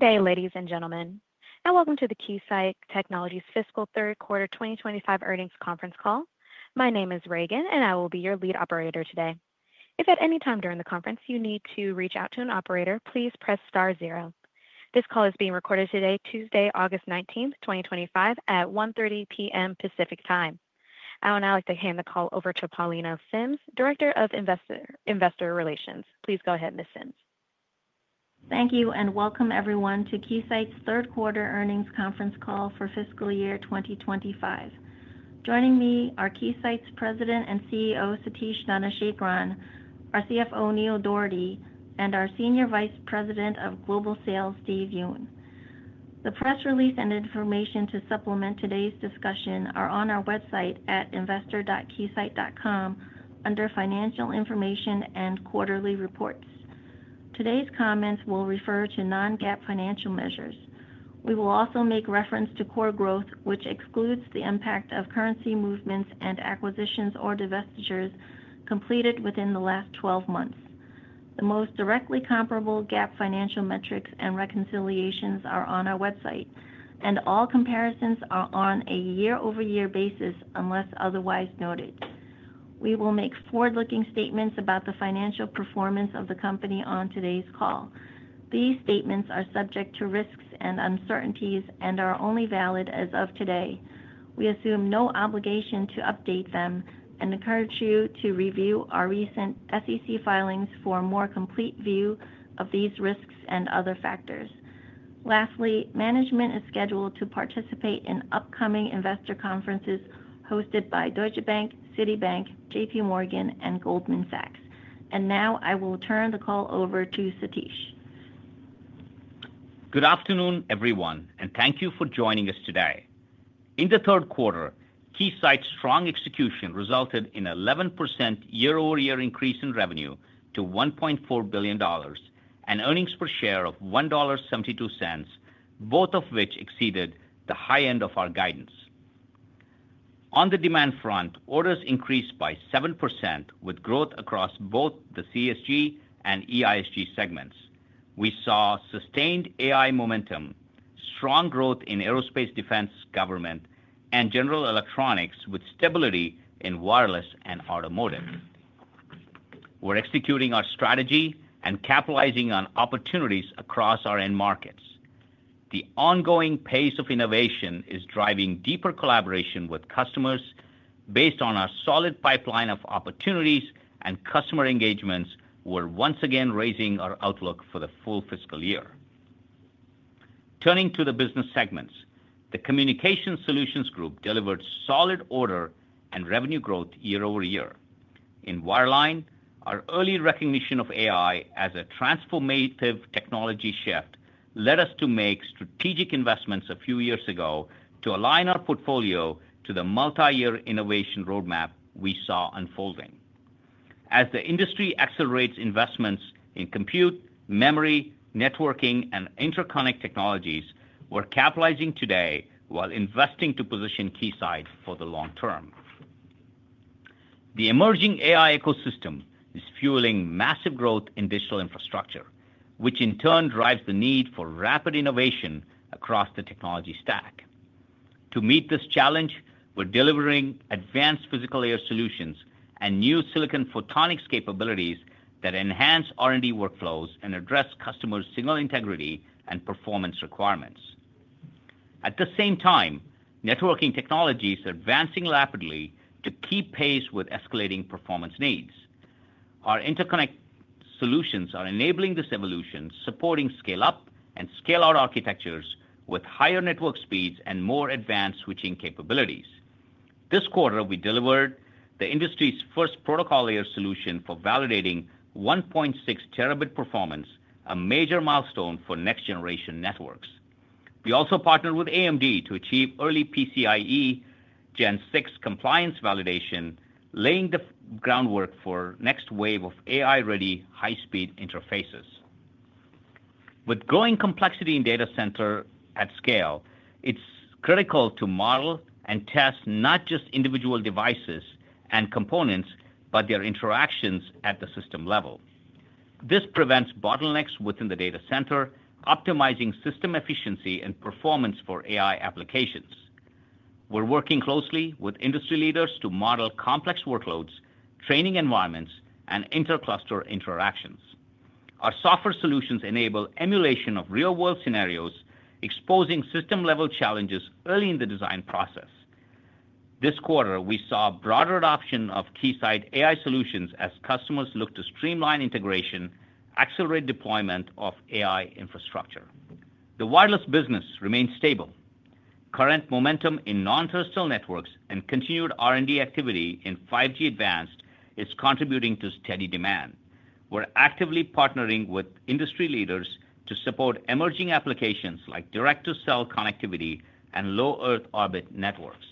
Good day, ladies and gentlemen. Now, welcome to the Keysight Technologies' Fiscal Third Quarter 2025 Earnings Conference Call. My name is Reagan, and I will be your lead operator today. If at any time during the conference you need to reach out to an operator, please press star zero. This call is being recorded today, Tuesday, August 19, 2025, at 1:30 P.M. Pacific Time. I would now like to hand the call over to Paulenier Sims, Director of Investor Relations. Please go ahead, Ms. Sims. Thank you, and welcome everyone to Keysight's third quarter earnings conference call for fiscal year 2025. Joining me are Keysight's President and CEO Satish Dhanasekaran, our CFO Neil Dougherty, and our Senior Vice President of Global Sales, Steve Yoon. The press release and information to supplement today's discussion are on our website at investor.keysight.com under Financial Information and Quarterly Reports. Today's comments will refer to non-GAAP financial measures. We will also make reference to core growth, which excludes the impact of currency movements and acquisitions or divestitures completed within the last 12 months. The most directly comparable GAAP financial metrics and reconciliations are on our website, and all comparisons are on a year-over-year basis unless otherwise noted. We will make forward-looking statements about the financial performance of the company on today's call. These statements are subject to risks and uncertainties and are only valid as of today. We assume no obligation to update them and encourage you to review our recent SEC filings for a more complete view of these risks and other factors. Lastly, management is scheduled to participate in upcoming investor conferences hosted by Deutsche Bank, Citibank, JPMorgan, and Goldman Sachs. I will turn the call over to Satish. Good afternoon, everyone, and thank you for joining us today. In the third quarter, Keysight's strong execution resulted in an 11% year-over-year increase in revenue to $1.4 billion and earnings per share of $1.72, both of which exceeded the high end of our guidance. On the demand front, orders increased by 7% with growth across both the CSG and EISG) segments. We saw sustained AI momentum, strong growth in aerospace defense, government, and general electronics with stability in wireless and automotive. We're executing our strategy and capitalizing on opportunities across our end markets. The ongoing pace of innovation is driving deeper collaboration with customers based on our solid pipeline of opportunities and customer engagements. We're once again raising our outlook for the full fiscal year. Turning to the business segments, the Communication Solutions Group delivered solid order and revenue growth year over year. In wireline, our early recognition of AI as a transformative technology shift led us to make strategic investments a few years ago to align our portfolio to the multi-year innovation roadmap we saw unfolding. As the industry accelerates investments in compute, memory, networking, and interconnect technologies, we're capitalizing today while investing to position Keysight for the long term. The emerging AI ecosystem is fueling massive growth in digital infrastructure, which in turn drives the need for rapid innovation across the technology stack. To meet this challenge, we're delivering advanced physical air solutions and new silicon photonics capabilities that enhance R&D workflows and address customers' signal integrity and performance requirements. At the same time, networking technologies are advancing rapidly to keep pace with escalating performance needs. Our interconnect solutions are enabling this evolution, supporting scale-up and scale-out architectures with higher network speeds and more advanced switching capabilities. This quarter, we delivered the industry's first protocol layer solution for validating 1.6 TB performance, a major milestone for next-generation networks. We also partnered with AMD to achieve early PCIe Gen 6 compliance validation, laying the groundwork for the next wave of AI-ready high-speed interfaces. With growing complexity in data centers at scale, it's critical to model and test not just individual devices and components, but their interactions at the system level. This prevents bottlenecks within the data center, optimizing system efficiency and performance for AI applications. We're working closely with industry leaders to model complex workloads, training environments, and inter-cluster interactions. Our software solutions enable emulation of real-world scenarios, exposing system-level challenges early in the design process. This quarter, we saw broader adoption of Keysight AI solutions as customers look to streamline integration and accelerate deployment of AI infrastructure. The wireless business remains stable. Current momentum in non-terrestrial networks and continued R&D activity in 5G Advanced is contributing to steady demand. We're actively partnering with industry leaders to support emerging applications like direct-to-cell connectivity and low-Earth orbit networks.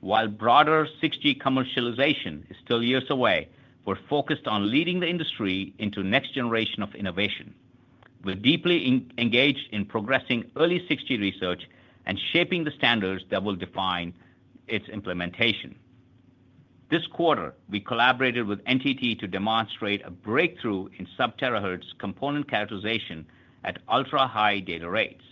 While broader 6G commercialization is still years away, we're focused on leading the industry into the next generation of innovation. We're deeply engaged in progressing early 6G research and shaping the standards that will define its implementation. This quarter, we collaborated with NTT to demonstrate a breakthrough in sub-terahertz component characterization at ultra-high data rates.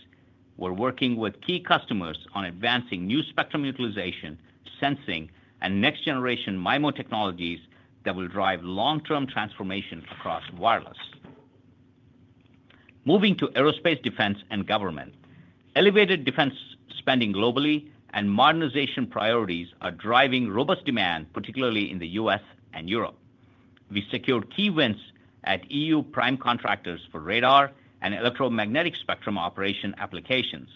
We're working with key customers on advancing new spectrum utilization, sensing, and next-generation MIMO technologies that will drive long-term transformation across wireless. Moving to aerospace defense and government, elevated defense spending globally and modernization priorities are driving robust demand, particularly in the U.S. and Europe. We secured key wins at EU prime contractors for radar and electromagnetic spectrum operation applications,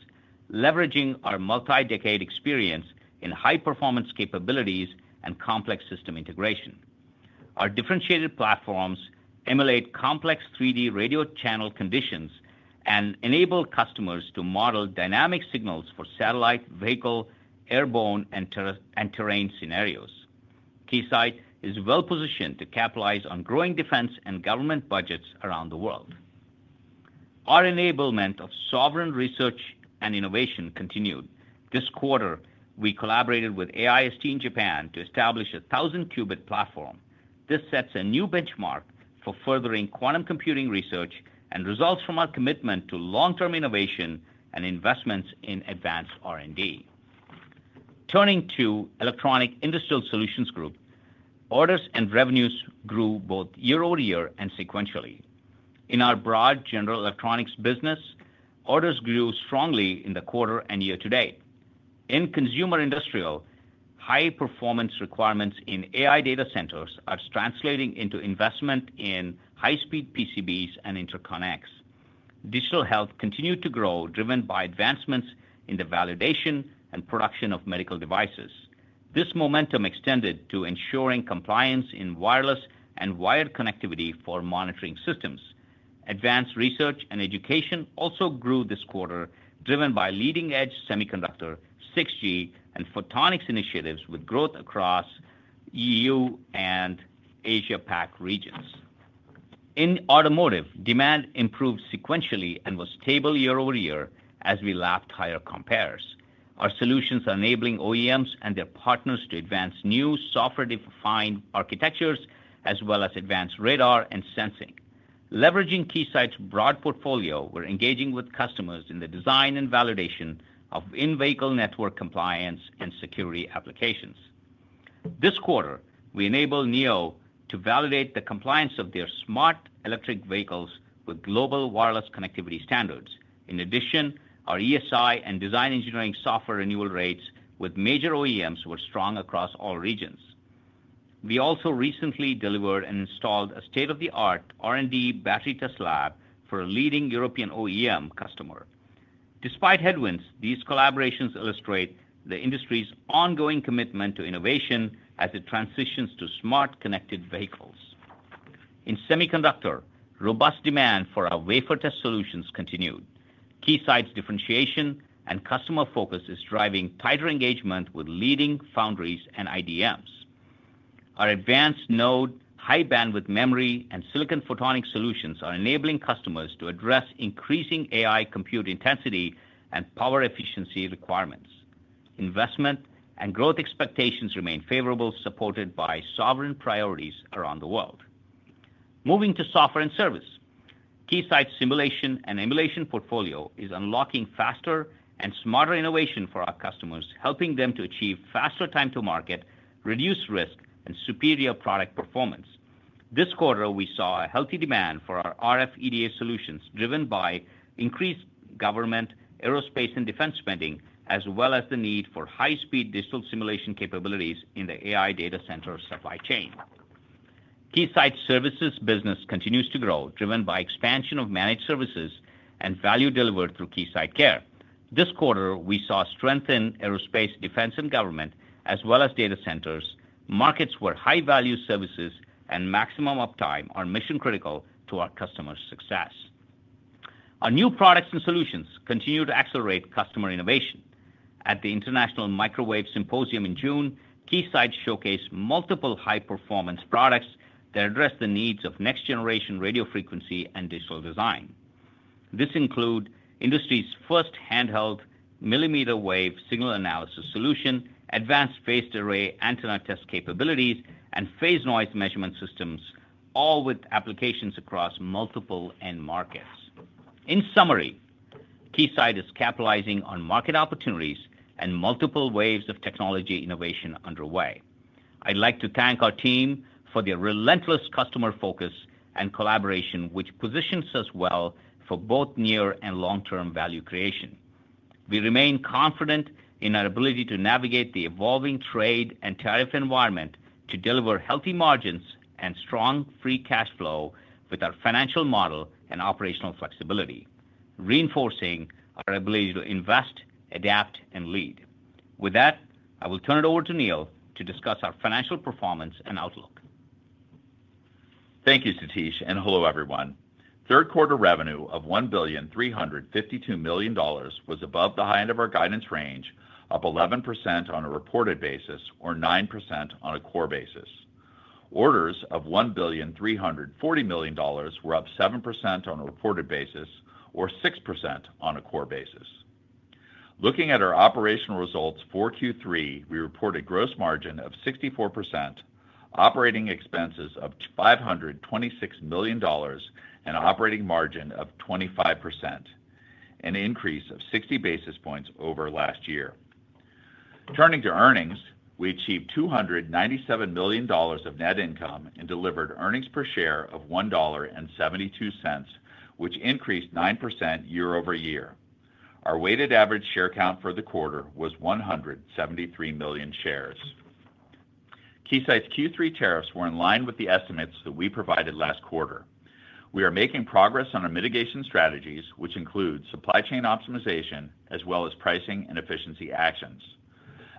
leveraging our multi-decade experience in high-performance capabilities and complex system integration. Our differentiated platforms emulate complex 3D radio channel conditions and enable customers to model dynamic signals for satellite, vehicle, airborne, and terrain scenarios. Keysight is well-positioned to capitalize on growing defense and government budgets around the world. Our enablement of sovereign research and innovation continued. This quarter, we collaborated with AIST in Japan to establish a thousand-qubit platform. This sets a new benchmark for furthering quantum computing research and results from our commitment to long-term innovation and investments in advanced R&D. Turning to the Electronic Industrial Solutions Group, orders and revenues grew both year over year and sequentially. In our broad general electronics business, orders grew strongly in the quarter and year to date. In consumer industrial, high-performance requirements in AI data centers are translating into investment in high-speed PCBs and interconnects. Digital health continued to grow, driven by advancements in the validation and production of medical devices. This momentum extended to ensuring compliance in wireless and wired connectivity for monitoring systems. Advanced research and education also grew this quarter, driven by leading-edge semiconductor, 6G, and photonics initiatives with growth across EU and Asia-Pac regions. In automotive, demand improved sequentially and was stable year over year as we lapped higher compares. Our solutions are enabling OEMs and their partners to advance new software-defined architectures as well as advanced radar and sensing. Leveraging Keysight's broad portfolio, we're engaging with customers in the design and validation of in-vehicle network compliance and security applications. This quarter, we enabled Nio to validate the compliance of their smart electric vehicles with global wireless connectivity standards. In addition, our ESI and design engineering software renewal rates with major OEMs were strong across all regions. We also recently delivered and installed a state-of-the-art R&D battery test lab for a leading European OEM customer. Despite headwinds, these collaborations illustrate the industry's ongoing commitment to innovation as it transitions to smart connected vehicles. In semiconductor, robust demand for our wafer test solutions continued. Keysight's differentiation and customer focus are driving tighter engagement with leading foundries and IDMs. Our advanced node, high-bandwidth memory, and silicon photonics solutions are enabling customers to address increasing AI compute intensity and power efficiency requirements. Investment and growth expectations remain favorable, supported by sovereign priorities around the world. Moving to software and service, Keysight's simulation and emulation portfolio is unlocking faster and smarter innovation for our customers, helping them to achieve faster time-to-market, reduced risk, and superior product performance. This quarter, we saw a healthy demand for our RF EDA solutions, driven by increased government, aerospace, and defense spending, as well as the need for high-speed digital simulation capabilities in the AI data center supply chain. Keysight's services business continues to grow, driven by the expansion of managed services and value delivered through Keysight Care. This quarter, we saw strength in aerospace, defense, and government, as well as data centers, markets where high-value services and maximum uptime are mission-critical to our customers' success. Our new products and solutions continue to accelerate customer innovation. At the International Microwave Symposium in June, Keysight showcased multiple high-performance products that address the needs of next-generation radio frequency and digital design. This includes the industry's first handheld millimeter wave signal analysis solution, advanced phased array antenna test capabilities, and phase noise measurement systems, all with applications across multiple end markets. In summary, Keysight is capitalizing on market opportunities and multiple waves of technology innovation underway. I'd like to thank our team for their relentless customer focus and collaboration, which positions us well for both near and long-term value creation. We remain confident in our ability to navigate the evolving trade and tariff environment to deliver healthy margins and strong free cash flow with our financial model and operational flexibility, reinforcing our ability to invest, adapt, and lead. With that, I will turn it over to Neil to discuss our financial performance and outlook. Thank you, Satish, and hello everyone. Third quarter revenue of $1,352,000,000 was above the high end of our guidance range, up 11% on a reported basis or 9% on a core basis. Orders of $1,340,000,000 were up 7% on a reported basis or 6% on a core basis. Looking at our operational results for Q3, we report a gross margin of 64%, operating expenses of $526 million, and an operating margin of 25%, an increase of 60 basis points over last year. Turning to earnings, we achieved $297 million of net income and delivered earnings per share of $1.72, which increased 9% year over year. Our weighted average share count for the quarter was 173 million shares. Keysight's Q3 tariffs were in line with the estimates that we provided last quarter. We are making progress on our mitigation strategies, which include supply chain optimization as well as pricing and efficiency actions.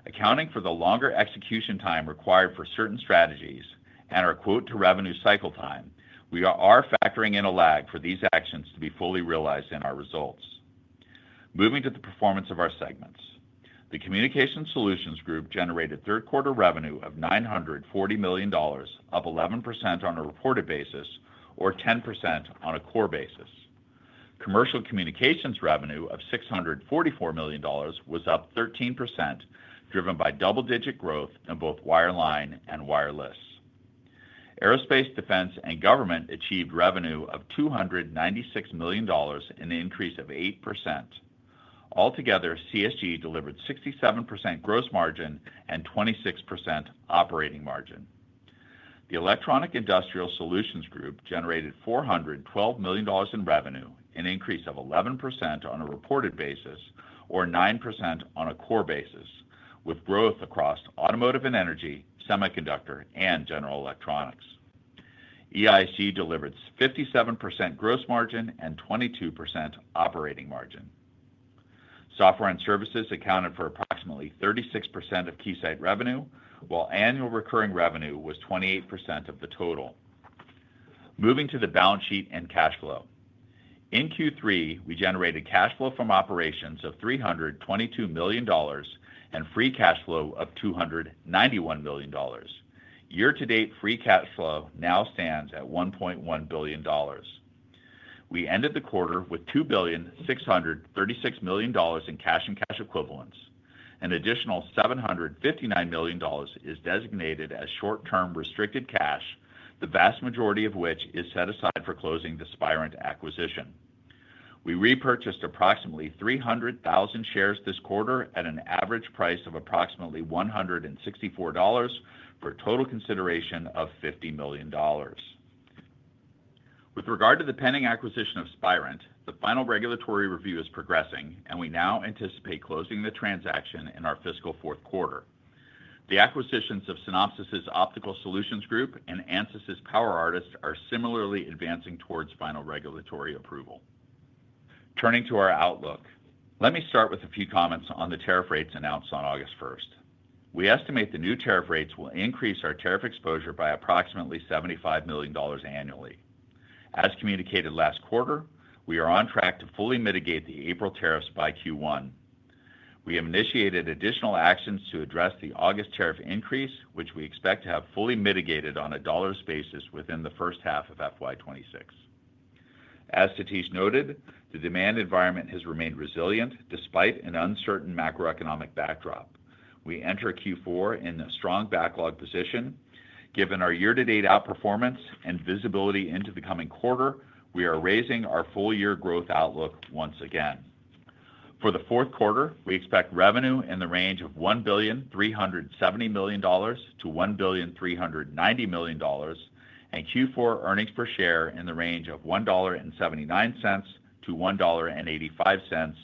Accounting for the longer execution time required for certain strategies and our quote-to-revenue cycle time, we are factoring in a lag for these actions to be fully realized in our results. Moving to the performance of our segments, the Communication Solutions Group generated third quarter revenue of $940 million, up 11% on a reported basis or 10% on a core basis. Commercial communications revenue of $644 million was up 13%, driven by double-digit growth in both wireline and wireless. Aerospace, defense, and government achieved revenue of $296 million, an increase of 8%. Altogether, CSG delivered 67% gross margin and 26% operating margin. The Electronic Industrial Solutions Group generated $412 million in revenue, an increase of 11% on a reported basis or 9% on a core basis, with growth across automotive and energy, semiconductor, and general electronics. EISG delivered 57% gross margin and 22% operating margin. Software and services accounted for approximately 36% of Keysight revenue, while annual recurring revenue was 28% of the total. Moving to the balance sheet and cash flow, in Q3, we generated cash flow from operations of $322 million and free cash flow of $291 million. Year-to-date free cash flow now stands at $1.1 billion. We ended the quarter with $2,636,000,000 in cash and cash equivalents. An additional $759 million is designated as short-term restricted cash, the vast majority of which is set aside for closing the Spirent acquisition. We repurchased approximately 300,000 shares this quarter at an average price of approximately $164 per share for total consideration of $50 million. With regard to the pending acquisition of Spirent, the final regulatory review is progressing, and we now anticipate closing the transaction in our fiscal fourth quarter. The acquisitions of Synopsys Optical Solutions Group and Ansys PowerArtist are similarly advancing towards final regulatory approval. Turning to our outlook, let me start with a few comments on the tariff rates announced on August 1. We estimate the new tariff rates will increase our tariff exposure by approximately $75 million annually. As communicated last quarter, we are on track to fully mitigate the April tariffs by Q1. We have initiated additional actions to address the August tariff increase, which we expect to have fully mitigated on a dollar's basis within the first half of FY2026. As Satish noted, the demand environment has remained resilient despite an uncertain macroeconomic backdrop. We enter Q4 in a strong backlog position. Given our year-to-date outperformance and visibility into the coming quarter, we are raising our full-year growth outlook once again. For the fourth quarter, we expect revenue in the range of $1,370,000,000-$1,390,000,000 and Q4 earnings per share in the range of $1.79-$1.85,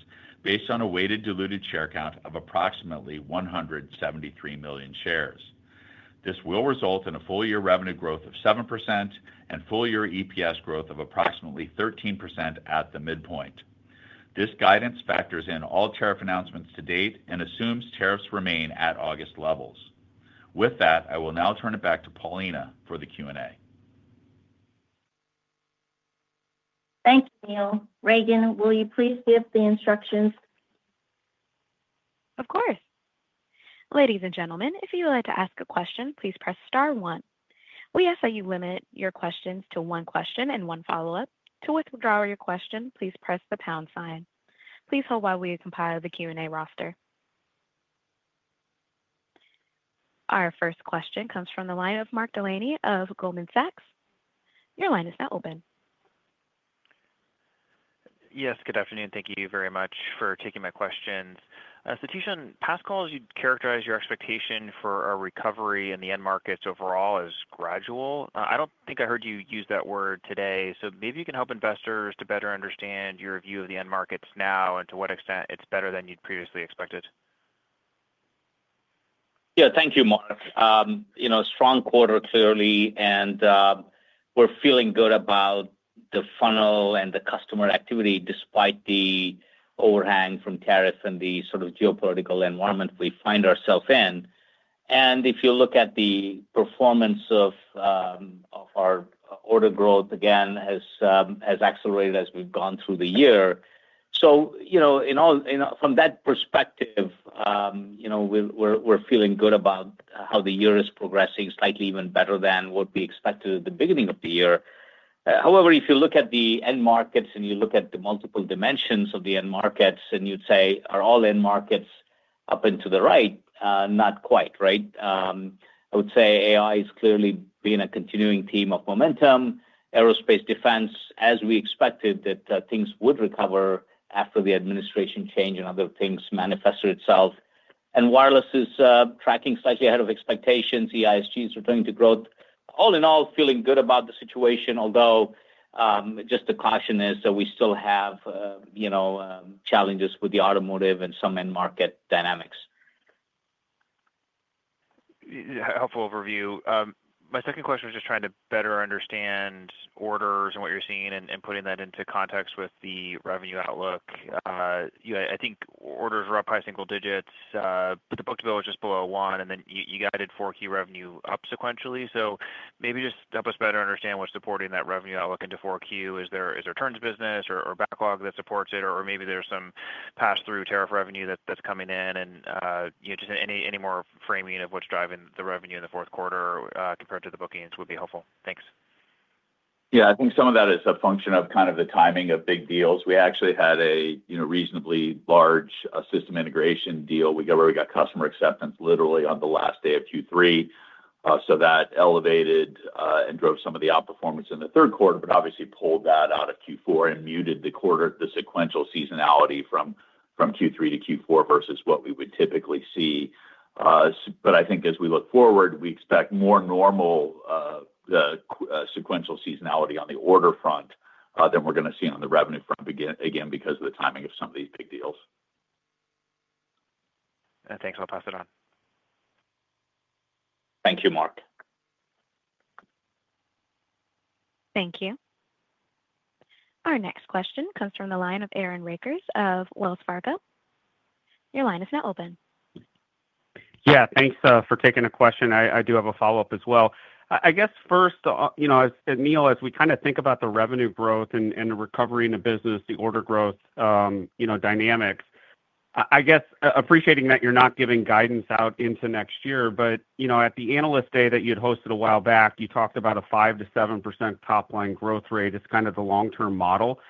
based on a weighted diluted share count of approximately 173 million shares. This will result in a full-year revenue growth of 7% and full-year EPS growth of approximately 13% at the midpoint. This guidance factors in all tariff announcements to date and assumes tariffs remain at August levels. With that, I will now turn it back to Paulina for the Q&A. Thank you, Neil. Reagan, will you please give the instructions? Of course. Ladies and gentlemen, if you would like to ask a question, please press star one. We ask that you limit your questions to one question and one follow-up. To withdraw your question, please press the pound sign. Please hold while we compile the Q&A roster. Our first question comes from the line of Mark Delaney of Goldman Sachs. Your line is now open. Yes, good afternoon. Thank you very much for taking my questions. Satish, on past calls, you'd characterized your expectation for a recovery in the end markets overall as gradual. I don't think I heard you use that word today. Maybe you can help investors to better understand your view of the end markets now and to what extent it's better than you'd previously expected. Thank you, Mark. Strong quarter clearly, and we're feeling good about the funnel and the customer activity despite the overhang from tariff and the sort of geopolitical environment we find ourselves in. If you look at the performance of our order growth, it has accelerated as we've gone through the year. From that perspective, we're feeling good about how the year is progressing, slightly even better than what we expected at the beginning of the year. However, if you look at the end markets and you look at the multiple dimensions of the end markets and you'd say, are all end markets up and to the right? Not quite, right? I would say AI is clearly being a continuing theme of momentum. Aerospace defense, as we expected that things would recover after the administration change and other things manifested itself. Wireless is tracking slightly ahead of expectations. EISG is returning to growth. All in all, feeling good about the situation, although just the caution is that we still have challenges with the automotive and some end market dynamics. Yeah, helpful overview. My second question was just trying to better understand orders and what you're seeing and putting that into context with the revenue outlook. I think orders were up by single digits, but the book-to-bill was just below one, and then you guided 4Q revenue up sequentially. Maybe just help us better understand what's supporting that revenue outlook into 4Q. Is there turns business or backlog that supports it, or maybe there's some pass-through tariff revenue that's coming in, and just any more framing of what's driving the revenue in the fourth quarter compared to the bookings would be helpful. Thanks. Yeah, I think some of that is a function of the timing of big deals. We actually had a reasonably large system integration deal. We got customer acceptance literally on the last day of Q3. That elevated and drove some of the outperformance in the third quarter, but obviously pulled that out of Q4 and muted the quarter, the sequential seasonality from Q3 to Q4 versus what we would typically see. I think as we look forward, we expect more normal sequential seasonality on the order front than we're going to see on the revenue front again because of the timing of some of these big deals. Thanks. I'll pass it on. Thank you, Mark. Thank you. Our next question comes from the line of Aaron Rakers of Wells Fargo. Your line is now open. Yeah, thanks for taking the question. I do have a follow-up as well. I guess first, you know, Neil, as we kind of think about the revenue growth and the recovery in the business, the order growth dynamics, I guess appreciating that you're not giving guidance out into next year, but you know, at the analyst day that you'd hosted a while back, you talked about a 5%-7% top-line growth rate as kind of the long-term model.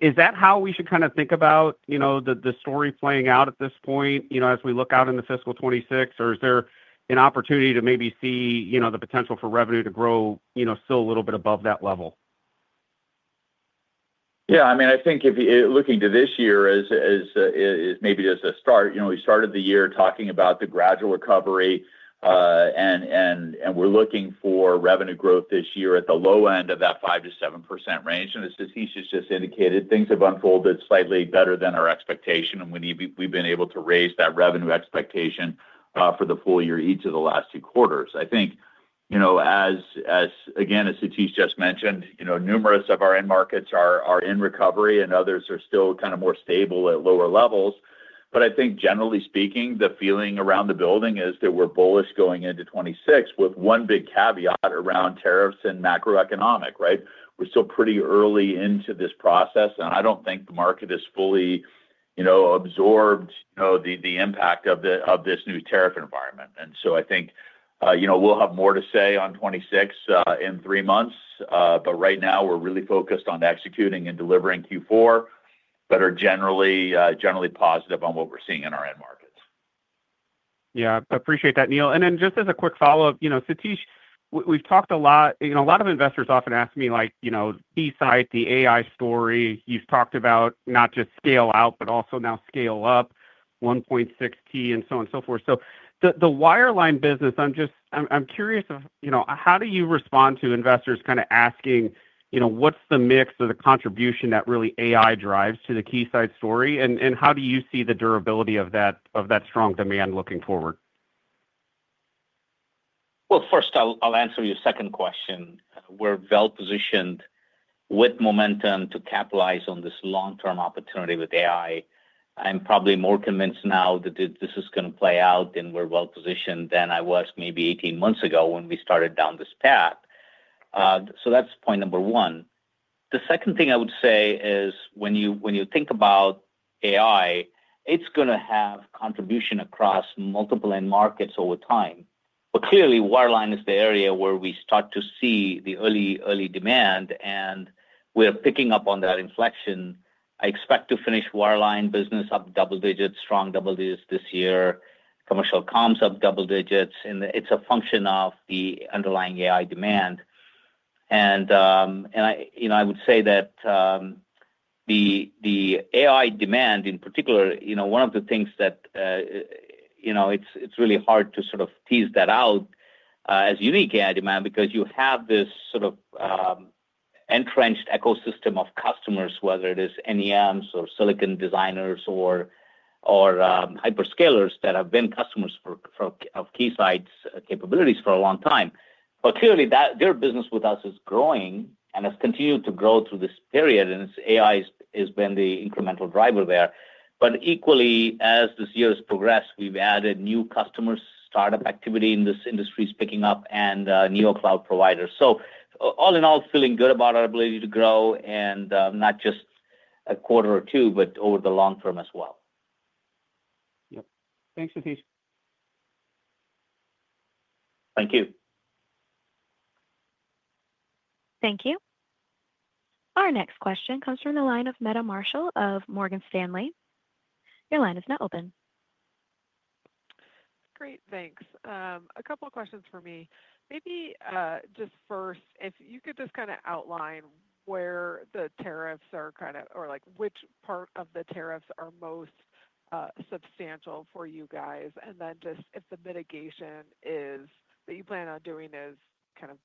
Is that how we should kind of think about, you know, the story playing out at this point, you know, as we look out into fiscal 2026, or is there an opportunity to maybe see, you know, the potential for revenue to grow, you know, still a little bit above that level? Yeah, I mean, I think if you're looking to this year as maybe as a start, we started the year talking about the gradual recovery, and we're looking for revenue growth this year at the low end of that 5%-7% range. As Satish has just indicated, things have unfolded slightly better than our expectation, and we've been able to raise that revenue expectation for the full year each of the last two quarters. I think, as Satish just mentioned, numerous of our end markets are in recovery and others are still kind of more stable at lower levels. I think generally speaking, the feeling around the building is that we're bullish going into 2026 with one big caveat around tariffs and macroeconomic, right? We're still pretty early into this process, and I don't think the market is fully absorbed the impact of this new tariff environment. I think we'll have more to say on 2026 in three months, but right now we're really focused on executing and delivering Q4 that are generally positive on what we're seeing in our end markets. Yeah, I appreciate that, Neil. Just as a quick follow-up, Satish, we've talked a lot, a lot of investors often ask me, like, Keysight, the AI story, you've talked about not just scale out, but also now scale up 1.6T and so on and so forth. The wireline business, I'm just, I'm curious, how do you respond to investors kind of asking, what's the mix or the contribution that really AI drives to the Keysight story? How do you see the durability of that strong demand looking forward? First, I'll answer your second question. We're well-positioned with momentum to capitalize on this long-term opportunity with AI. I'm probably more convinced now that this is going to play out, and we're well-positioned than I was maybe 18 months ago when we started down this path. That's point number one. The second thing I would say is when you think about AI, it's going to have a contribution across multiple end markets over time. Clearly, wireline is the area where we start to see the early demand, and we are picking up on that inflection. I expect to finish wireline business up double digits, strong double digits this year, commercial comms up double digits, and it's a function of the underlying AI demand. I would say that the AI demand in particular, one of the things that, you know, it's really hard to sort of tease that out as unique AI demand because you have this sort of entrenched ecosystem of customers, whether it is NEMs or silicon designers or hyperscalers that have been customers of Keysight's capabilities for a long time. Clearly, their business with us is growing and has continued to grow through this period, and AI has been the incremental driver there. Equally, as this year has progressed, we've added new customers, startup activity in this industry is picking up, and new cloud providers. All in all, feeling good about our ability to grow and not just a quarter or two, but over the long term as well. Yep. Thanks, Satish. Thank you. Thank you. Our next question comes from the line of Meta Marshall of Morgan Stanley. Your line is now open. Great, thanks. A couple of questions for me. Maybe just first, if you could outline where the tariffs are, or which part of the tariffs are most substantial for you guys, and if the mitigation that you plan on doing is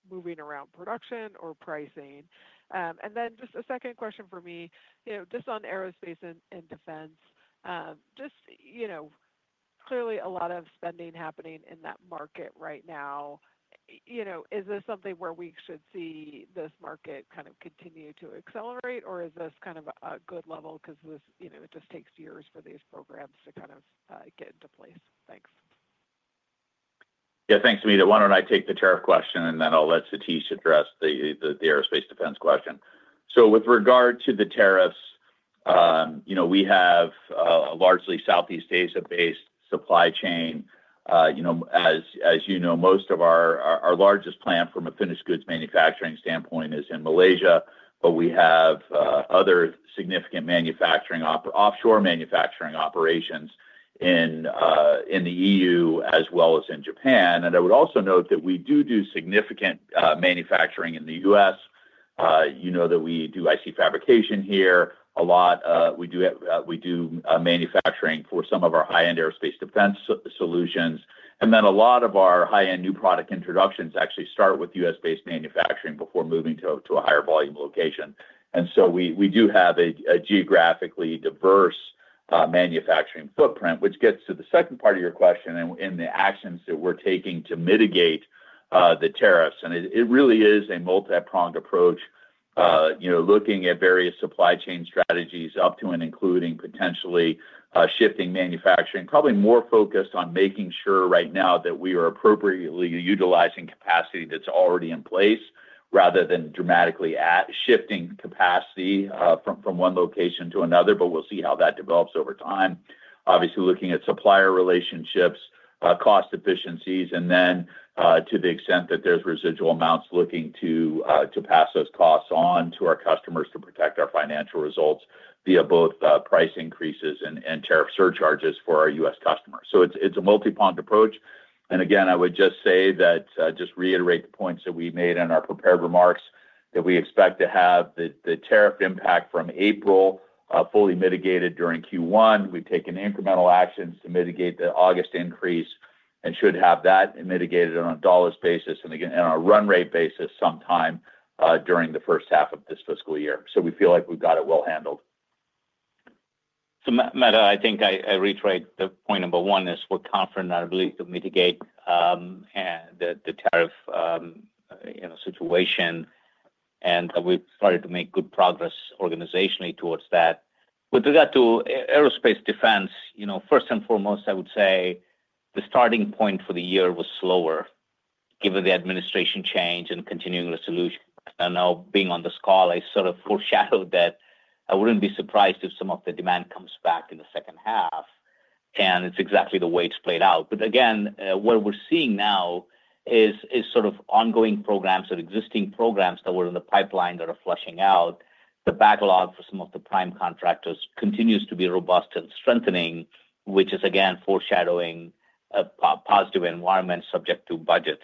moving around production or pricing. A second question for me, on aerospace and defense, clearly a lot of spending happening in that market right now. Is this something where we should see this market continue to accelerate, or is this a good level because it just takes years for these programs to get into place? Thanks. Yeah, thanks, Meta. Why don't I take the tariff question, and then I'll let Satish address the aerospace defense question. With regard to the tariffs, we have a largely Southeast Asia-based supply chain. As you know, most of our largest plant from a finished goods manufacturing standpoint is in Malaysia, but we have other significant offshore manufacturing operations in the EU as well as in Japan. I would also note that we do significant manufacturing in the U.S. We do IC fabrication here a lot. We do manufacturing for some of our high-end aerospace defense solutions. A lot of our high-end new product introductions actually start with U.S.-based manufacturing before moving to a higher volume location. We do have a geographically diverse manufacturing footprint, which gets to the second part of your question and the actions that we're taking to mitigate the tariffs. It really is a multipronged approach, looking at various supply chain strategies up to and including potentially shifting manufacturing, probably more focused on making sure right now that we are appropriately utilizing capacity that's already in place rather than dramatically shifting capacity from one location to another. We'll see how that develops over time. Obviously, looking at supplier relationships, cost efficiencies, and then to the extent that there's residual amounts, looking to pass those costs on to our customers to protect our financial results via both price increases and tariff surcharges for our U.S. customers. It's a multipronged approach. I would just reiterate the points that we made in our prepared remarks that we expect to have the tariff impact from April fully mitigated during Q1. We've taken incremental actions to mitigate the August increase and should have that mitigated on a dollar's basis and again on a run rate basis sometime during the first half of this fiscal year. We feel like we've got it well handled. Meta, I think I reiterate the point number one is we're confident that we can mitigate the tariff situation, and we've started to make good progress organizationally towards that. With regard to aerospace defense, first and foremost, I would say the starting point for the year was slower given the administration change and continuing resolution. Now being on this call, I sort of foreshadowed that I wouldn't be surprised if some of the demand comes back in the second half. It's exactly the way it's played out. What we're seeing now is ongoing programs or existing programs that were in the pipeline that are flushing out. The backlog for some of the prime contractors continues to be robust and strengthening, which is foreshadowing a positive environment subject to budgets.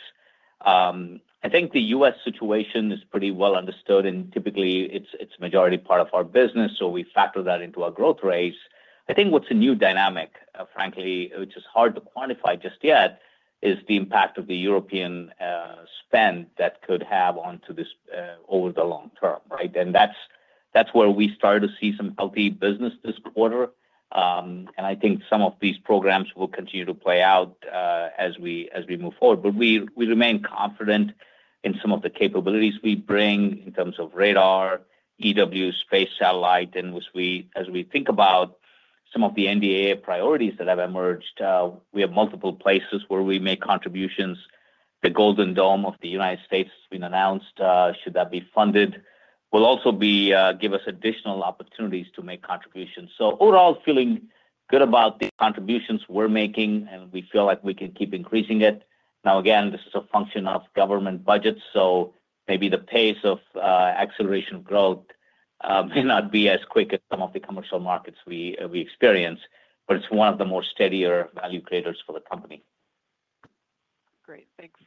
I think the U.S. situation is pretty well understood, and typically, it's a majority part of our business, so we factor that into our growth rates. What's a new dynamic, frankly, which is hard to quantify just yet, is the impact of the European spend that could have onto this over the long term, right? That's where we started to see some healthy business this quarter. I think some of these programs will continue to play out as we move forward. We remain confident in some of the capabilities we bring in terms of radar, EW, space satellite, and as we think about some of the NDA priorities that have emerged, we have multiple places where we make contributions. The Golden Dome of the United States has been announced. Should that be funded, it will also give us additional opportunities to make contributions. Overall, feeling good about the contributions we're making, and we feel like we can keep increasing it. This is a function of government budgets, so maybe the pace of acceleration of growth may not be as quick as some of the commercial markets we experience, but it's one of the more steadier value creators for the company. Great. Thanks.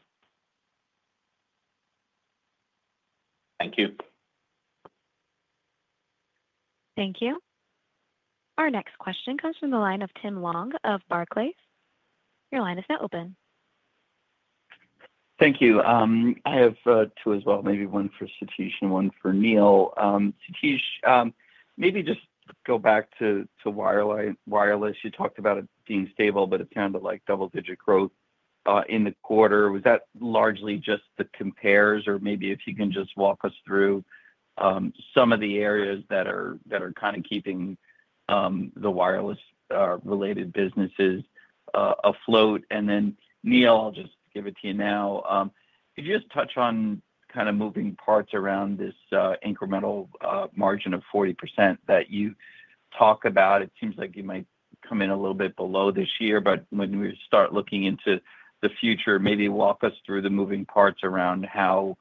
Thank you. Thank you. Our next question comes from the line of Tim Long of Barclays. Your line is now open. Thank you. I have two as well, maybe one for Satish and one for Neil. Satish, maybe just go back to wireless. You talked about it being stable, but it sounded like double-digit growth in the quarter. Was that largely just the compares, or maybe if you can just walk us through some of the areas that are kind of keeping the wireless-related businesses afloat? Neil, I'll just give it to you now. Could you just touch on kind of moving parts around this incremental margin of 40% that you talk about? It seems like you might come in a little bit below this year, but when we start looking into the future, maybe walk us through the moving parts around how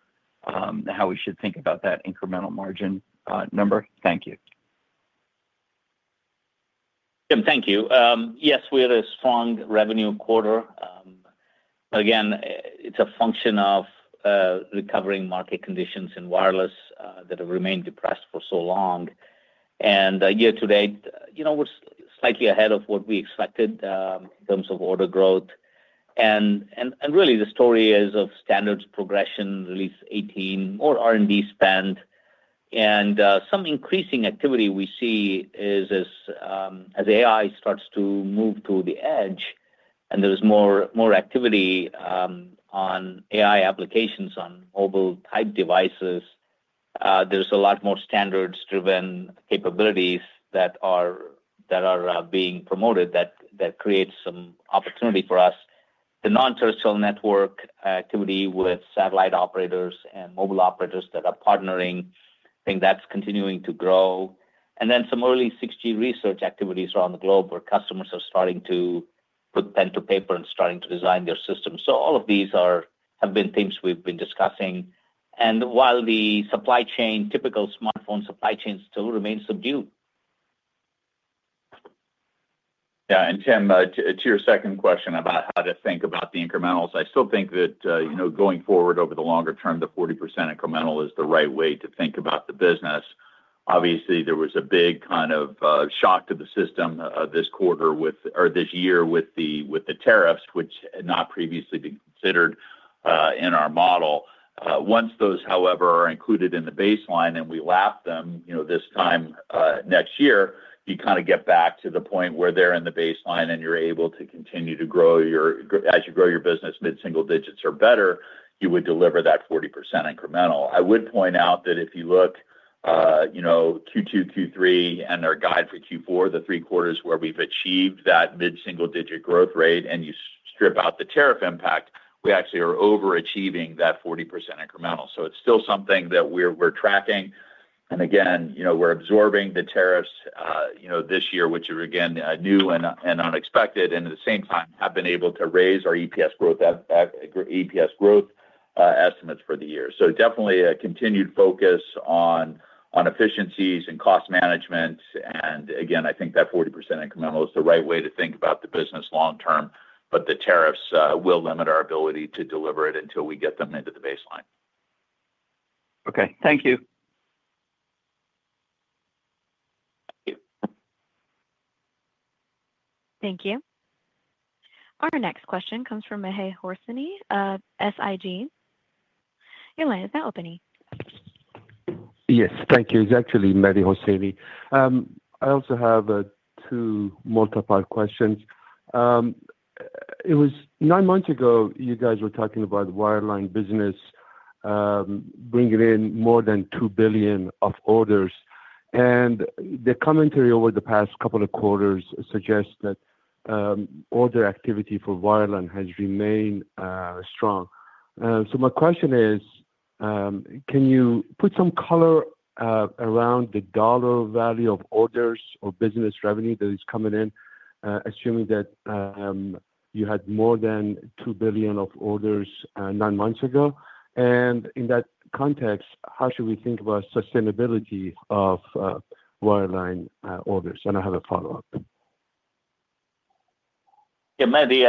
we should think about that incremental margin number. Thank you. Tim, thank you. Yes, we had a strong revenue quarter. It's a function of recovering market conditions in wireless that have remained depressed for so long. Year to date, we're slightly ahead of what we expected in terms of order growth. The story is of standards progression, release 18, more R&D spend, and some increasing activity we see as AI starts to move to the edge and there's more activity on AI applications on mobile-type devices. There's a lot more standards-driven capabilities that are being promoted that create some opportunity for us. The non-terrestrial network activity with satellite operators and mobile operators that are partnering, I think that's continuing to grow. Some early 6G research activities around the globe where customers are starting to put pen to paper and starting to design their systems. All of these have been things we've been discussing. While the supply chain, typical smartphone supply chains still remain subdued. Yeah, and Tim, to your second question about how to think about the incrementals, I still think that, you know, going forward over the longer term, the 40% incremental is the right way to think about the business. Obviously, there was a big kind of shock to the system this quarter, or this year with the tariffs, which had not previously been considered in our model. Once those, however, are included in the baseline and we lap them, you know, this time next year, you kind of get back to the point where they're in the baseline and you're able to continue to grow your, as you grow your business mid-single digits or better, you would deliver that 40% incremental. I would point out that if you look, you know, Q2, Q3, and our guide for Q4, the three quarters where we've achieved that mid-single digit growth rate and you strip out the tariff impact, we actually are overachieving that 40% incremental. It's still something that we're tracking. We're absorbing the tariffs this year, which are again new and unexpected, and at the same time have been able to raise our EPS growth estimates for the year. Definitely a continued focus on efficiencies and cost management. I think that 40% incremental is the right way to think about the business long term, but the tariffs will limit our ability to deliver it until we get them into the baseline. Okay, thank you. Thank you. Our next question comes from Mehai Hosseini of SIG. Your line is now open. Yes, thank you. It's actually Mehdi Horsini. I also have two multipart questions. It was nine months ago you guys were talking about the wireline business bringing in more than $2 billion of orders. The commentary over the past couple of quarters suggests that order activity for wireline has remained strong. My question is, can you put some color around the dollar value of orders or business revenue that is coming in, assuming that you had more than $2 billion of orders nine months ago? In that context, how should we think about sustainability of wireline orders? I have a follow-up. Yeah, Mehdi,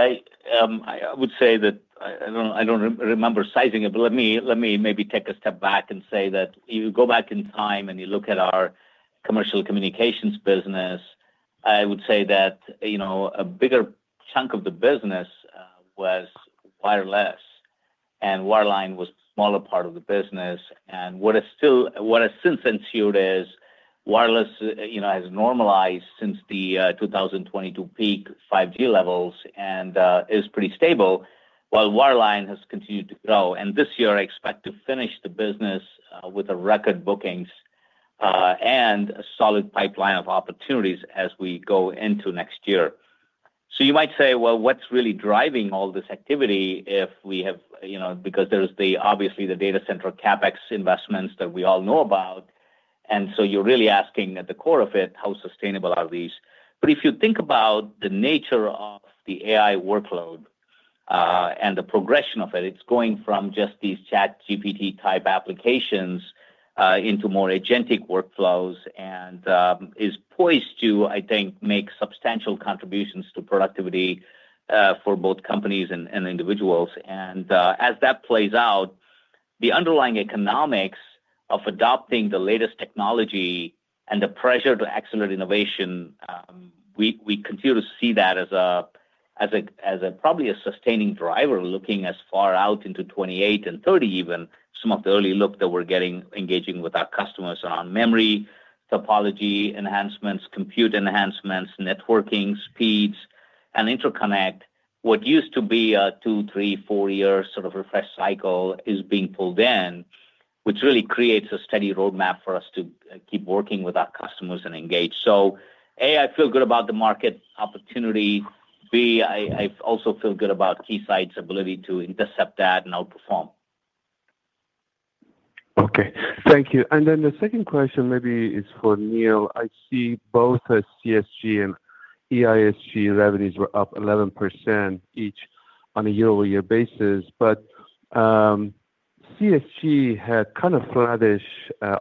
I would say that I don't remember sizing it, but let me maybe take a step back and say that you go back in time and you look at our commercial communications business, I would say that, you know, a bigger chunk of the business was wireless and wireline was a smaller part of the business. What has since ensued is wireless, you know, has normalized since the 2022 peak 5G levels and is pretty stable, while wireline has continued to grow. This year, I expect to finish the business with record bookings and a solid pipeline of opportunities as we go into next year. You might say, what's really driving all this activity if we have, you know, because there's obviously the data center CapEx investments that we all know about. You're really asking at the core of it, how sustainable are these? If you think about the nature of the AI workload and the progression of it, it's going from just these ChatGPT-type applications into more agentic workflows and is poised to, I think, make substantial contributions to productivity for both companies and individuals. As that plays out, the underlying economics of adopting the latest technology and the pressure to accelerate innovation, we continue to see that as probably a sustaining driver looking as far out into 2028 and 2030, even some of the early look that we're getting engaging with our customers around memory topology enhancements, compute enhancements, networking speeds, and interconnect. What used to be a two, three, four-year sort of refresh cycle is being pulled in, which really creates a steady roadmap for us to keep working with our customers and engage. A, I feel good about the market opportunity. B, I also feel good about Keysight's ability to intercept that and outperform. Okay. Thank you. The second question maybe is for Neil. I see both CSG and EISG revenues were up 11% each on a year-over-year basis, but CSG had kind of flattish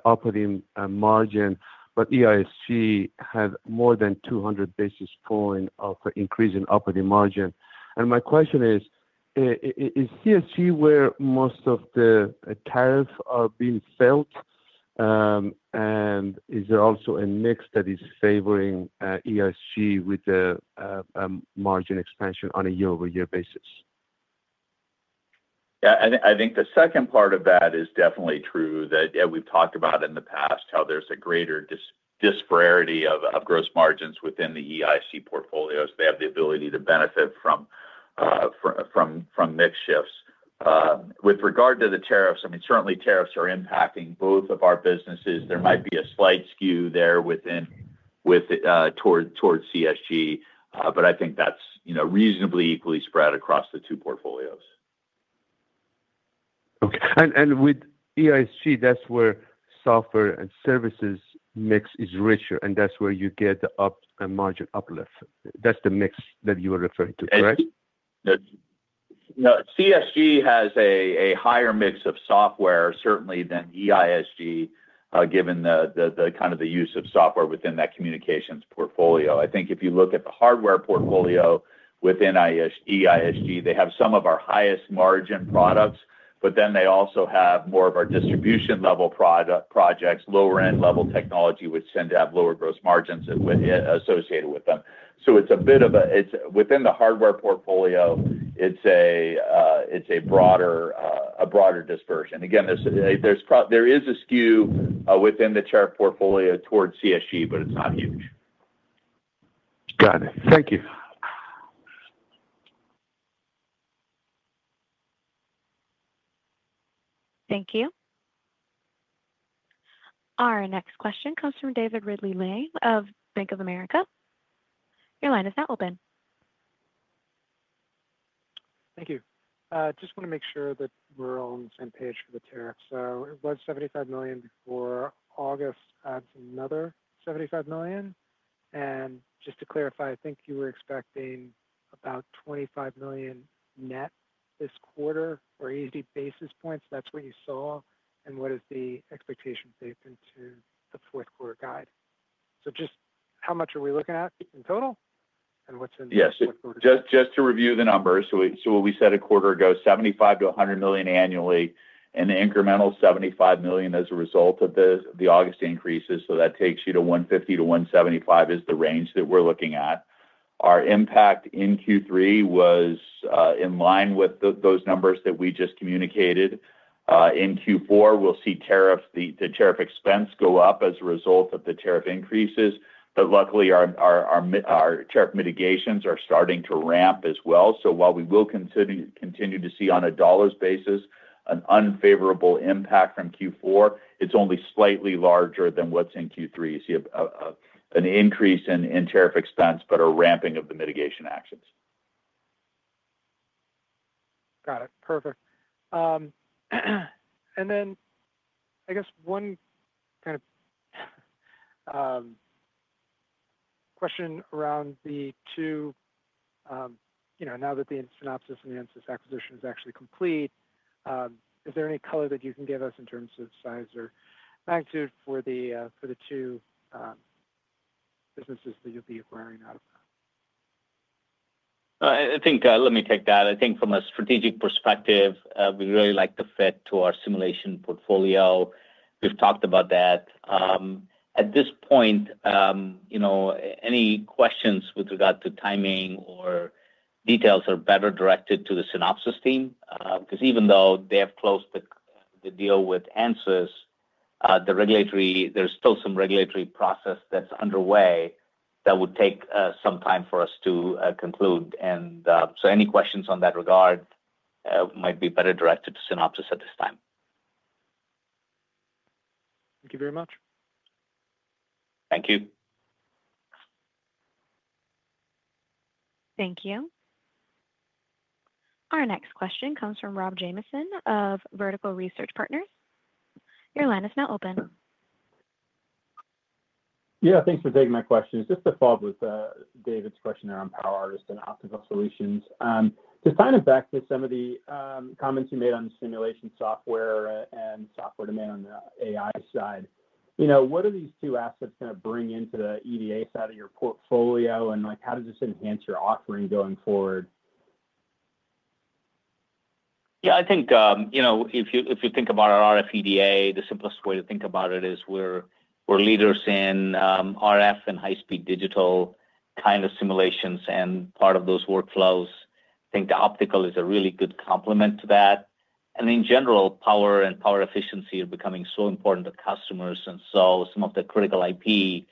operating margin, but EISG had more than 200 basis points of increase in operating margin. My question is, is CSG where most of the tariffs are being felt, and is there also a mix that is favoring EISG with the margin expansion on a year-over-year basis? Yeah, I think the second part of that is definitely true that we've talked about in the past how there's a greater disparity of gross margins within the EISG portfolios. They have the ability to benefit from mix shifts. With regard to the tariffs, I mean, certainly tariffs are impacting both of our businesses. There might be a slight skew there within towards CSG, but I think that's, you know, reasonably equally spread across the two portfolios. electronic industrial solutions group (EISG), that's where software and services mix is richer, and that's where you get the margin uplift. That's the mix that you were referring to, correct? Yes. No, CSG has a higher mix of software certainly than EISG, given the kind of the use of software within that communications portfolio. I think if you look at the hardware portfolio within EISG, they have some of our highest margin products, but then they also have more of our distribution-level projects, lower-end level technology, which tend to have lower gross margins associated with them. It's a bit of a, it's within the hardware portfolio, it's a broader dispersion. Again, there's a skew within the tariff portfolio towards CSG, but it's not huge. Got it. Thank you. Thank you. Our next question comes from David Ridley-Lang of Bank of America. Your line is now open. Thank you. I just want to make sure that we're all on the same page for the tariffs. It was $75 million before August. Add another $75 million. Just to clarify, I think you were expecting about $25 million net this quarter or ESG basis points. That's what you saw. What is the expectation based into the fourth quarter guide? How much are we looking at in total and what's in the fourth quarter? Yes, just to review the numbers. We said a quarter ago, $75 million-$100 million annually, and the incremental $75 million as a result of the August increases. That takes you to $150 million-$175 million is the range that we're looking at. Our impact in Q3 was in line with those numbers that we just communicated. In Q4, we'll see the tariff expense go up as a result of the tariff increases. Luckily, our tariff mitigations are starting to ramp as well. While we will continue to see on a dollar's basis an unfavorable impact from Q4, it's only slightly larger than what's in Q3. You see an increase in tariff expense, but a ramping of the mitigation actions. Got it. Perfect. I guess one kind of question around the two, you know, now that the Synopsys and the Ansys acquisition is actually complete, is there any color that you can give us in terms of size or magnitude for the two businesses that you'll be wearing out of them? I think from a strategic perspective, we really like the fit to our simulation portfolio. We've talked about that. At this point, any questions with regard to timing or details are better directed to the Synopsys team because even though they have closed the deal with Ansys, there's still some regulatory process that's underway that would take some time for us to conclude. Any questions on that regard might be better directed to Synopsys at this time. Thank you very much. Thank you. Thank you. Our next question comes from Rob Jamieson of Vertical Research Partners. Your line is now open. Yeah, thanks for taking my questions. Just to follow up with David's question there on PowerArtist and Optical Solutions. To kind of back to some of the comments you made on the simulation software and software demand on the AI side, you know, what are these two assets going to bring into the EDA side of your portfolio, and how does this enhance your offering going forward? I think, you know, if you think about our RF EDA, the simplest way to think about it is we're leaders in RF and high-speed digital kind of simulations. Part of those workflows, I think the optical is a really good complement to that. In general, power and power efficiency are becoming so important to customers. Some of the critical IP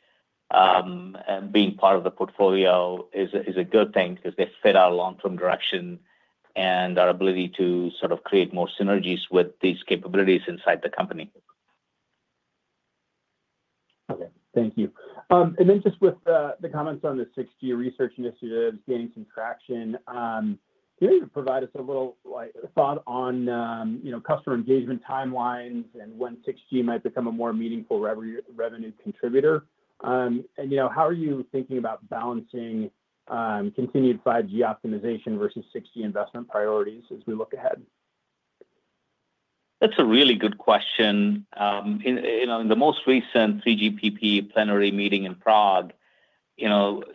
and being part of the portfolio is a good thing because they fit our long-term direction and our ability to sort of create more synergies with these capabilities inside the company. Thank you. With the comments on the 6G research initiative gaining some traction, can you provide us a little thought on customer engagement timelines and when 6G might become a more meaningful revenue contributor? How are you thinking about balancing continued 5G optimization versus 6G investment priorities as we look ahead? That's a really good question. In the most recent 3GPP plenary meeting in Prague, they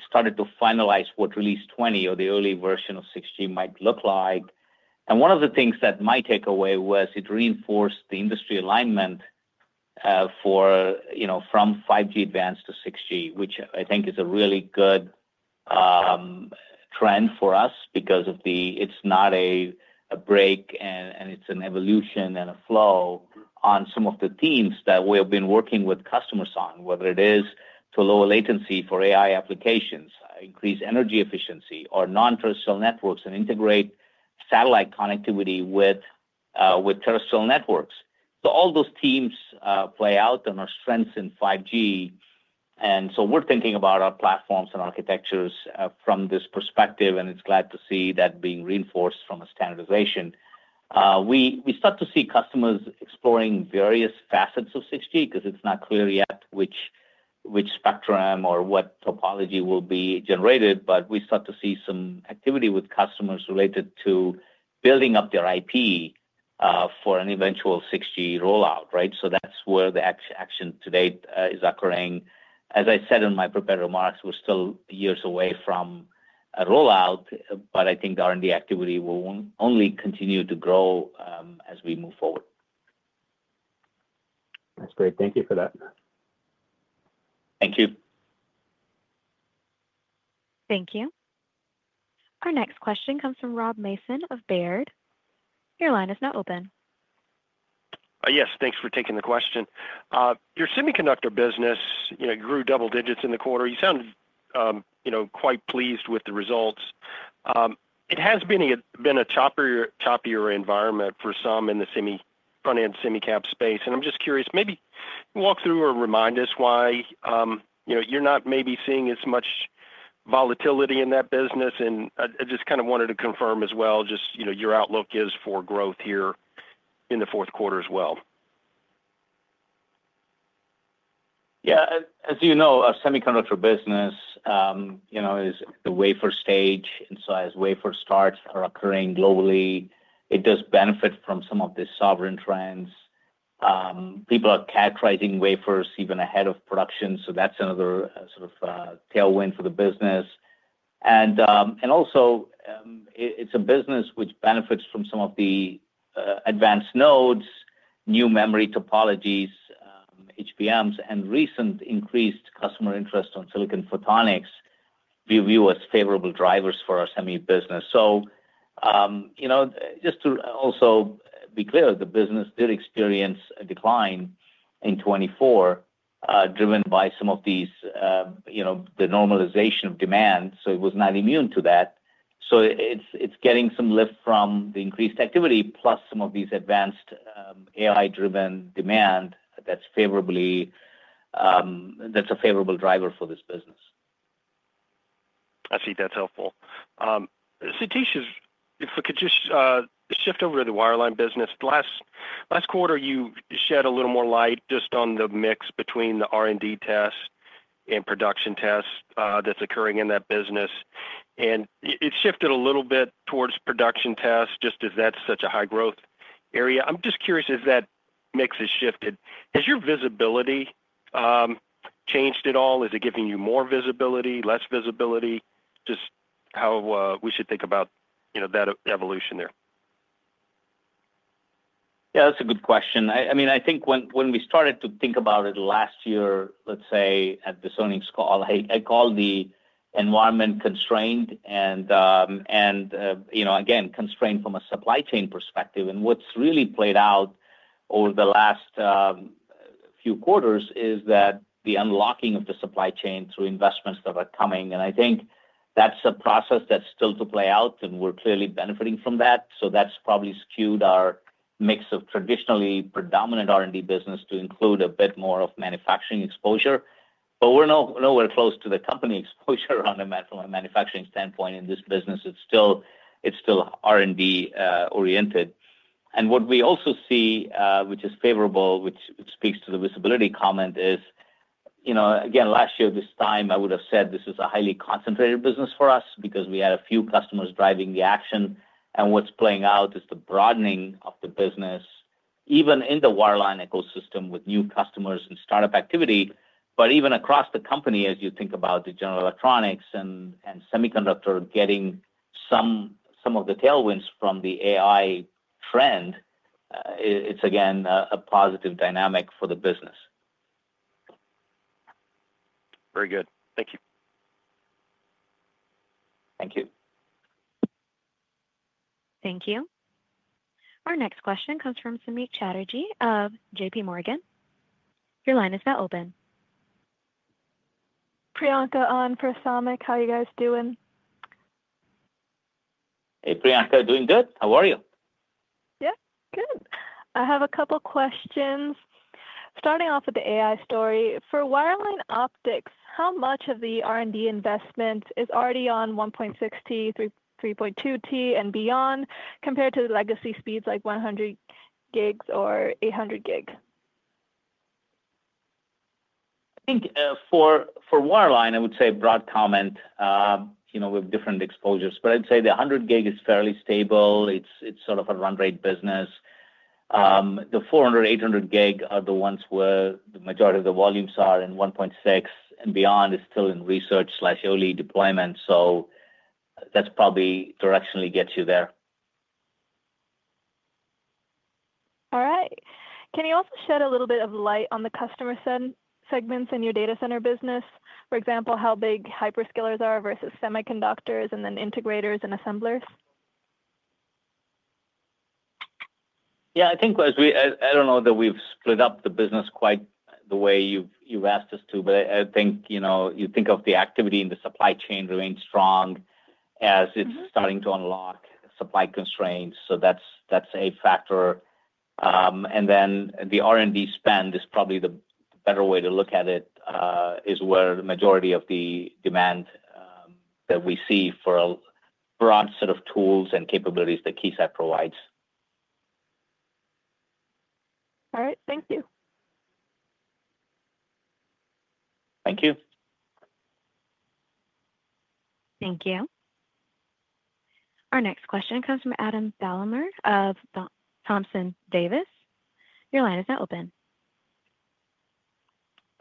started to finalize what Release 20 or the early version of 6G might look like. One of the things that my takeaway was it reinforced the industry alignment from 5G Advanced to 6G, which I think is a really good trend for us because it's not a break and it's an evolution and a flow on some of the themes that we have been working with customers on, whether it is to lower latency for AI applications, increase energy efficiency, or non-terrestrial networks and integrate satellite connectivity with terrestrial networks. All those themes play out and are strengths in 5G. We're thinking about our platforms and architectures from this perspective, and it's glad to see that being reinforced from a standardization. We start to see customers exploring various facets of 6G because it's not clear yet which spectrum or what topology will be generated, but we start to see some activity with customers related to building up their IP for an eventual 6G rollout, right? That's where the action today is occurring. As I said in my prepared remarks, we're still years away from a rollout, but I think R&D activity will only continue to grow as we move forward. That's great. Thank you for that. Thank you. Thank you. Our next question comes from Rob Mason of Baird. Your line is now open. Yes, thanks for taking the question. Your semiconductor business grew double digits in the quarter. You sound quite pleased with the results. It has been a choppier environment for some in the front-end semicap space. I'm just curious, maybe walk through or remind us why you're not maybe seeing as much volatility in that business. I just kind of wanted to confirm as well, your outlook is for growth here in the fourth quarter as well. Yeah, as you know, a semiconductor business is the wafer stage, and as wafer starts are occurring globally, it does benefit from some of the sovereign trends. People are characterizing wafers even ahead of production, so that's another sort of tailwind for the business. It's a business which benefits from some of the advanced nodes, new memory topologies, HBMs, and recent increased customer interest on silicon photonics we view as favorable drivers for our semi-business. Just to also be clear, the business did experience a decline in 2024, driven by the normalization of demand, so it was not immune to that. It's getting some lift from the increased activity, plus some of these advanced AI-driven demand that's a favorable driver for this business. I see. That's helpful. Satish, if we could just shift over to the wireline business. Last quarter, you shed a little more light just on the mix between the R&D test and production test that's occurring in that business. It shifted a little bit towards production tests just as that's such a high growth area. I'm just curious as that mix has shifted, has your visibility changed at all? Is it giving you more visibility, less visibility, just how we should think about, you know, that evolution there? Yeah, that's a good question. I mean, I think when we started to think about it last year, let's say at this earnings call, I called the environment constrained and, you know, again, constrained from a supply chain perspective. What's really played out over the last few quarters is that the unlocking of the supply chain through investments that are coming. I think that's a process that's still to play out, and we're clearly benefiting from that. That's probably skewed our mix of traditionally predominant R&D business to include a bit more of manufacturing exposure. We're nowhere close to the company exposure from a manufacturing standpoint in this business. It's still R&D-oriented. What we also see, which is favorable, which speaks to the visibility comment, is, you know, again, last year, this time I would have said this was a highly concentrated business for us because we had a few customers driving the action. What's playing out is the broadening of the business, even in the wireline ecosystem with new customers and startup activity. Even across the company, as you think about the general electronics and semiconductor getting some of the tailwinds from the AI trend, it's again a positive dynamic for the business. Very good. Thank you. Thank you. Thank you. Our next question comes from Samik Chatterjee of JPMorgan. Your line is now open. Priyanka on for Samik. How are you guys doing? Hey, Priyanka. Doing good. How are you? Yeah, good. I have a couple of questions. Starting off with the AI story, for wireline optics, how much of the R&D investment is already on 1.6T, 3.2T, and beyond compared to the legacy speeds like 100 gigs or 800 gigs? I think for wireline, I would say a broad comment, you know, with different exposures. I'd say the 100 gig is fairly stable. It's sort of a run rate business. The 400, 800 gig are the ones where the majority of the volumes are, and 1.6 and beyond is still in research/early deployment. That's probably directionally gets you there. All right. Can you also shed a little bit of light on the customer segments in your data center business? For example, how big hyperscalers are versus semiconductors, and then integrators and assemblers? I think as we, I don't know that we've split up the business quite the way you've asked us to, but I think you know, you think of the activity in the supply chain remains strong as it's starting to unlock supply constraints. That's a factor. The R&D spend is probably the better way to look at it, is where the majority of the demand that we see for a broad set of tools and capabilities that Keysight provides. All right. Thank you. Thank you. Thank you. Our next question comes from Adam Thalhimer of Thompson Davis. Your line is now open.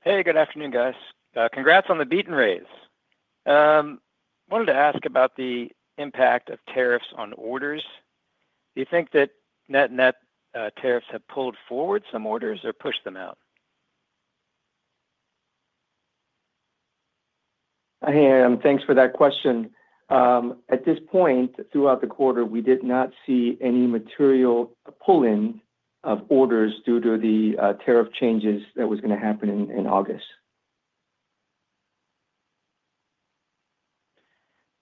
Hey, good afternoon, guys. Congrats on the beat and raise. I wanted to ask about the impact of tariffs on orders. Do you think that net-net tariffs have pulled forward some orders or pushed them out? Hey, Adam, thanks for that question. At this point, throughout the quarter, we did not see any material pull-in of orders due to the tariff changes that were going to happen in August.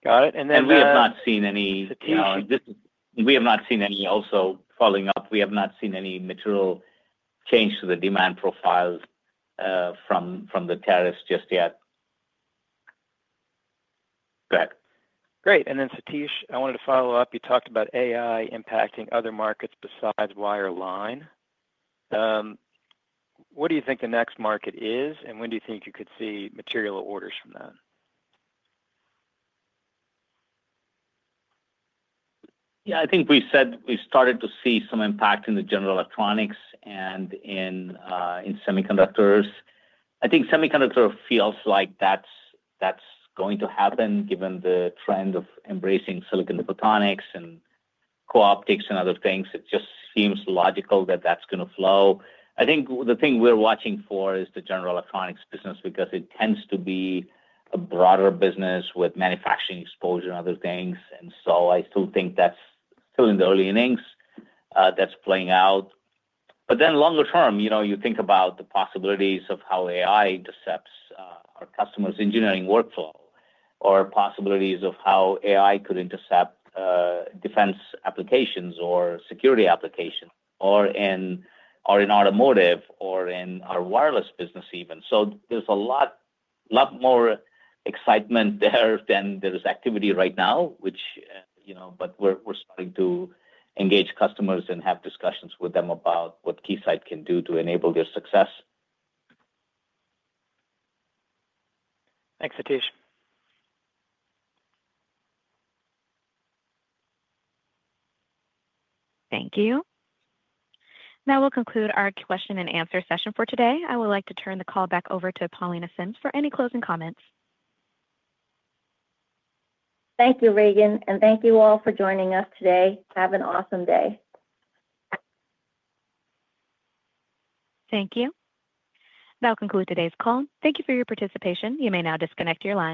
Got it. We have not seen any, you know, we have not seen any material change to the demand profile from the tariffs just yet. Got it. Great. Satish, I wanted to follow up. You talked about AI impacting other markets besides wireline. What do you think the next market is, and when do you think you could see material orders from that? Yeah, I think we said we started to see some impact in the general electronics and in semiconductors. I think semiconductor feels like that's going to happen given the trend of embracing silicon photonics and co-optics and other things. It just seems logical that that's going to flow. The thing we're watching for is the general electronics business because it tends to be a broader business with manufacturing exposure and other things. I still think that's still in the early innings that's playing out. Longer term, you know, you think about the possibilities of how AI intercepts our customers' engineering workflow or possibilities of how AI could intercept defense applications or security applications or in automotive or in our wireless business even. There's a lot, a lot more excitement there than there is activity right now, which, you know, but we're starting to engage customers and have discussions with them about what Keysight can do to enable their success. Thanks, Satish. Thank you. Now we'll conclude our question and answer session for today. I would like to turn the call back over to Paulenier Sims for any closing comments. Thank you, Regan, and thank you all for joining us today. Have an awesome day. Thank you. That'll conclude today's call. Thank you for your participation. You may now disconnect your line.